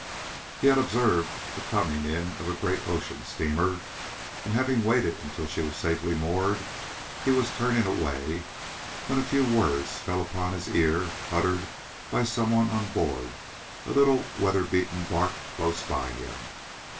He had observed the coming in of a great ocean steamer, and having waited until she was safely moored, he was turning away, when a few words fell upon his ear uttered by some one on board a little weather beaten barque close by him.